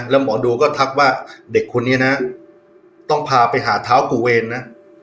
แล้วหมอดูก็ทักว่าเด็กคนนี้นะต้องพาไปหาเท้ากูเวรนะ